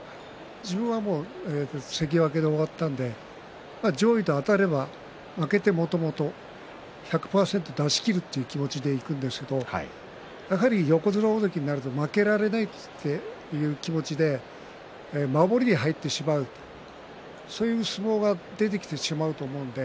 自分は関脇で終わったんで上位とあたれば負けてもともと、１００％出しきるという気持ちでいくんですけどやはり横綱、大関になると負けられないという気持ちで守りに入ってしまうそういう相撲が出てきてしまうと思うんで。